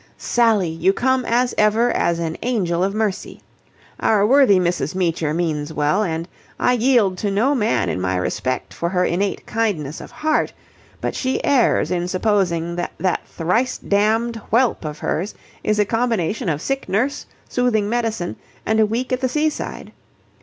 "Sally, you come, as ever, as an angel of mercy. Our worthy Mrs. Meecher means well, and I yield to no man in my respect for her innate kindness of heart: but she errs in supposing that that thrice damned whelp of hers is a combination of sick nurse, soothing medicine, and a week at the seaside.